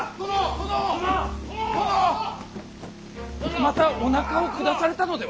またおなかを下されたのでは？